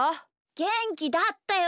げんきだったよ！